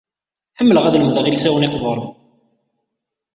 Ḥemmleɣ ad lemdeɣ ilsawen iqburen.